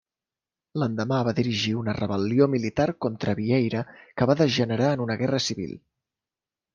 L'endemà va dirigir una rebel·lió militar contra Vieira que va degenerar en una guerra civil.